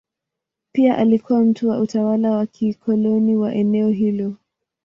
Pia alikuwa mkuu wa utawala wa kikoloni wa eneo hilo.